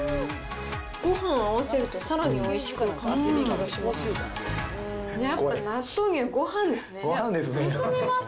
ごはん合わせるとさらにおいしく感じる気がします。